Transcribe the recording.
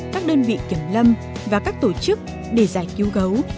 các đơn vị kiểm lâm và các tổ chức để giải cứu gấu